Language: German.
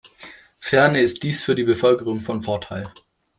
Ferner ist dies für die Bevölkerung von Vorteil.